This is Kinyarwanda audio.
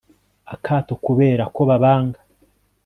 akato kubera ko babanga